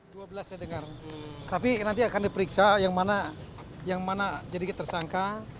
dua belas saya dengar tapi nanti akan diperiksa yang mana yang mana jadi tersangka